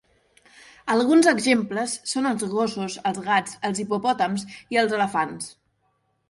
Alguns exemples són els gossos, els gats, els hipopòtams i els elefants.